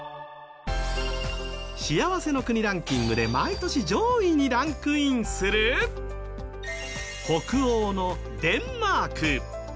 幸せの国ランキングで毎年、上位にランクインする北欧のデンマーク。